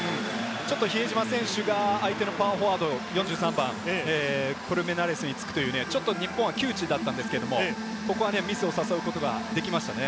ちょっと比江島選手が相手のパワーフォワード、コルメナレスにつくという、日本が窮地だったんですけれど、ここはミスを誘うことができましたね。